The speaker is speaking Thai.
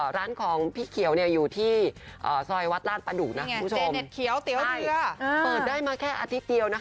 ร้านของพี่เขียวอยู่ที่สรรค์วัดราศประดุว่าเปิดได้มาแค่อาทิตย์เดียว